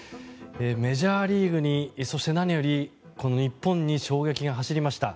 メジャーリーグにそして、何より日本に衝撃が走りました。